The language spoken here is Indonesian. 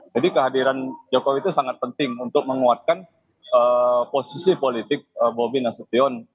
jadi kehadiran jokowi itu sangat penting untuk menguatkan posisi politik bobi nasution